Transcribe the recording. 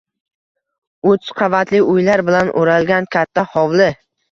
Uch qavatli uylar bilan oʻralgan katta hovli.